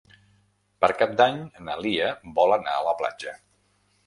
Per Cap d'Any na Lia vol anar a la platja.